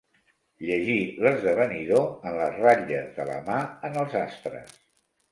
Llegir l'esdevenidor en les ratlles de la mà, en els astres.